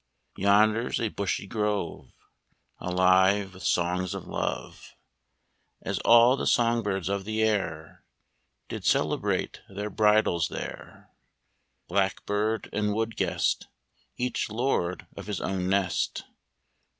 Yonder's a bushy grove Alive with songs of love, OURS 39 As all the song birds of the air Did celebrate their bridals there. Blackbird and wood guest Each lord of his own nest.